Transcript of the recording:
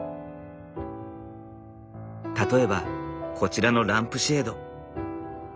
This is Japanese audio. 例えばこちらのランプシェード。